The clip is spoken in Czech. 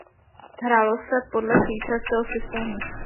Hrálo se podle švýcarského systému.